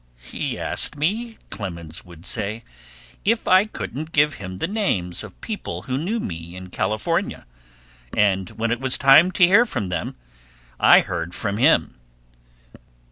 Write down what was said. "He asked me," Clemens would say, "if I couldn't give him the names of people who knew me in California, and when it was time to hear from them I heard from him.